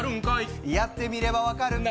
やってみれば分かる。